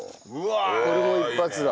これも一発だ。